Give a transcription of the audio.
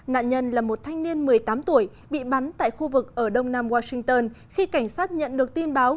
nạn nhân là một thanh niên một mươi tám tuổi bị bắn tại khu vực ở đông nam washington khi cảnh sát nhận được tin báo